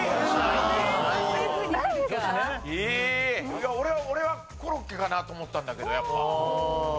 いや俺はコロッケかなと思ったんだけどやっぱ。